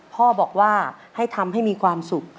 พ่อบอกว่าให้ทำให้มีความสุข